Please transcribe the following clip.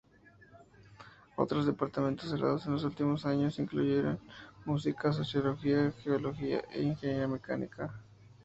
Otros departamentos cerrados en los últimos años incluyen Música, Sociología, Geología e Ingeniería Mecánica.